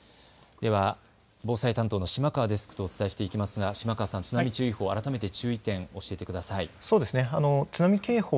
では、防災担当の島川デスクとお伝えしていきますが島川さん、津波注意報、改めて注意点教えてください。